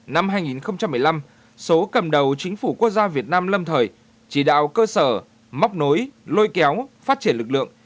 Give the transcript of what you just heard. năm hai nghìn một mươi năm số cầm đầu chính phủ quốc gia việt nam lâm thời chỉ đạo cơ sở móc nối lôi kéo phát triển lực lượng